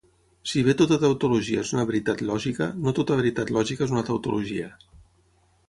Si bé tota tautologia és una veritat lògica, no tota veritat lògica és una tautologia.